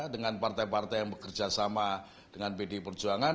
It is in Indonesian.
dengan partai partai yang bekerja sama dengan pdi perjuangan